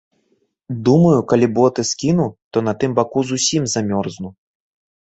Думаю, калі боты скіну, то на тым баку зусім замёрзну.